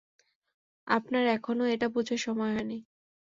আপনার এখনো এটা বুঝার সময় হয়নি।